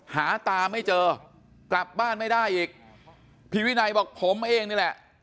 หาตาไม่เจอกลับบ้านไม่ได้อีกพี่วินัยบอกผมเองนี่แหละ